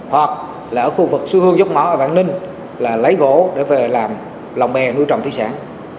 hoặc là ở khu vực sư hương dốc mỏ ở vạn ninh là lấy gỗ để làm lòng mè nuôi trồng thị sản